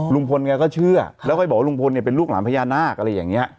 ลุงพลแกก็เชื่อแล้วก็ไปบอกว่าลุงพลเนี่ยเป็นลูกหลานพญานาคอะไรอย่างนี้